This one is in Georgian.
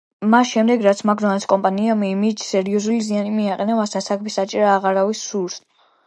მას შემდეგ, რაც მაკდონალდსის კომპანიის იმიჯს სერიოზული ზიანი მიაყენა, მასთან საქმის დაჭერა აღარავის სურს.